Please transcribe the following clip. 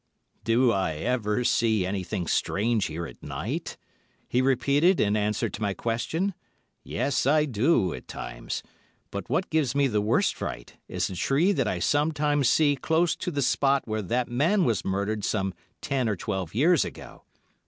"Do I ever see anything strange here at night?" he repeated in answer to my question. "Yes, I do, at times, but what gives me the worst fright is a tree that I sometimes see close to the spot where that man was murdered some ten or twelve years ago.